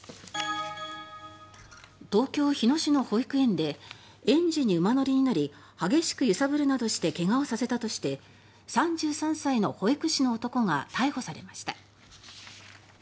東京・日野市の保育園で園児に馬乗りになり激しく揺さぶるなどして怪我をさせたとして３３歳の保育士の男が逮捕されました。